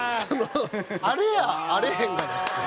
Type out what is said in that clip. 「アレ！！」やあれへんがな。